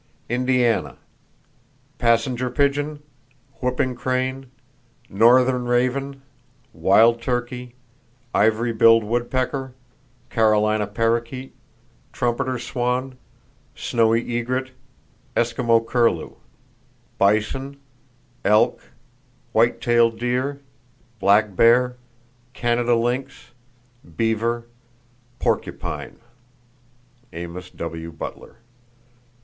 Indiana: Passenger pigeon, whooping crane, northern raven, wild turkey, ivory billed woodpecker, Carolina parrakeet, trumpeter swan, snowy egret, Eskimo curlew; bison, elk, white tailed deer, black bear, Canada lynx, beaver, porcupine.—(Amos W. Butler.)